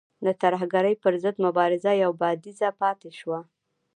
د ترهګرۍ پر ضد مبارزه یو بعدیزه پاتې شوه.